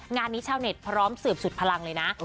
งานนี้ชาวเน็ตพร้อมสืบสุดพลังเลยนะ